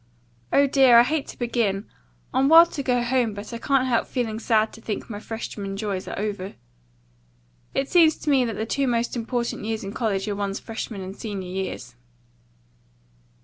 Oh, dear, I hate to begin. I'm wild to go home, but I can't help feeling sad to think my freshman joys are over. It seems to me that the two most important years in college are one's freshman and senior years.